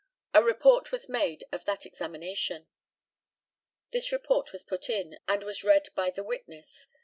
A report was made of that examination. This report was put in, and was read by the witness.